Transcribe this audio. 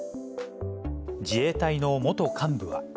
自衛隊の元幹部は。